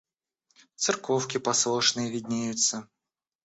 Церковки послушные виднеются.